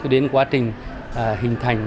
đến quá trình hình thành